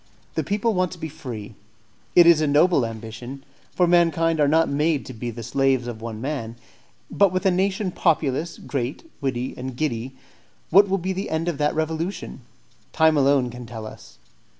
The people want to be free; it is a noble ambition, for mankind are not made to be the slaves of one man; but with a nation populous, great, witty, and giddy, what will be the end of that revolution? Time alone can tell us.